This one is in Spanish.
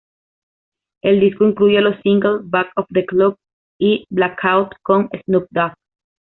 El disco incluye los singles "Back Of The Club" y "Blackout" con Snoop Dogg.